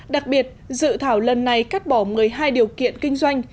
đặc biệt dự thảo lần này cắt bỏ một mươi hai điều kiện kinh doanh